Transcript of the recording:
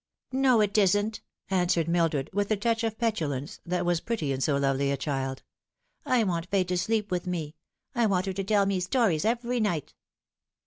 " No, it isn't," answered Mildred, with a touch of petulance that was pretty in so lovely a child. " I want Fay to sleep with me. I want her to tell me stories every night."